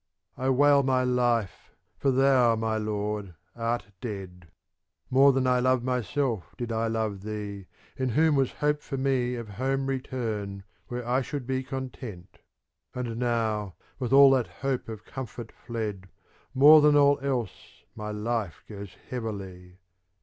I wail my life, for thou, my lord, art dead; More than I love myself did I love thee, In whom was hope for me '* Of home return, where I should be content. And now, with all that hope of comfort fled, More than all else, my life goes heavily.